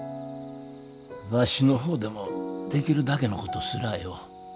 わしの方でもできるだけのことすらあよお。